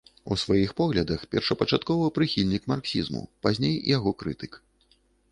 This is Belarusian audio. У сваіх поглядах першапачаткова прыхільнік марксізму, пазней яго крытык.